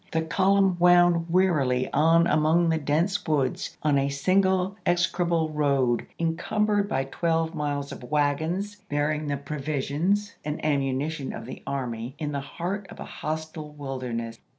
The column Colonel wound Wearily on among the dense woods, on a ^'Battler' single execrable road, encumbered by twelve miles Leaders." of wagous, bearing the provisions and ammunition p. '352.' of the army in the heart of a hostile wilderness.